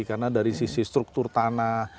karena dari sisi struktur tanah